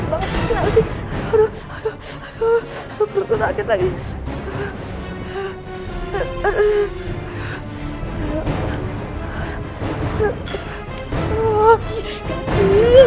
aduh sakit banget sekali